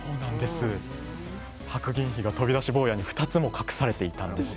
白銀比が飛び出し坊やに２つも隠されていたんです。